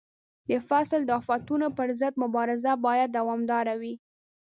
د فصل د آفتونو پر ضد مبارزه باید دوامداره وي.